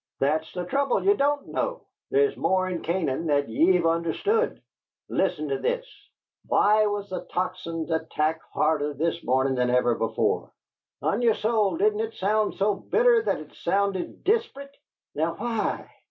"That's the trouble: ye don't know. There's more in Canaan than ye've understood. Listen to this: Why was the Tocsin's attack harder this morning than ever before? On yer soul didn't it sound so bitter that it sounded desprit? Now why?